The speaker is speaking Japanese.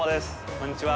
こんにちは。